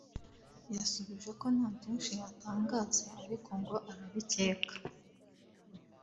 yasubije ko nta byinshi yatangaza ariko ngo arabicyeka